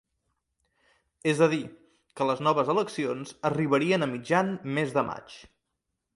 És a dir, que les noves eleccions arribarien a mitjan mes de maig.